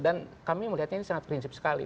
kami melihatnya ini sangat prinsip sekali